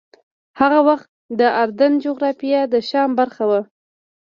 هغه وخت د اردن جغرافیه د شام برخه وه.